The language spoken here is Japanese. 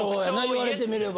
言われてみれば。